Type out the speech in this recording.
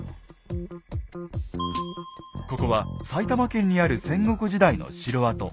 ここは埼玉県にある戦国時代の城跡。